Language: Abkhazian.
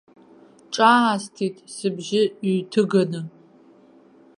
Ҿаасҭит, сыбжьы ҩҭыганы.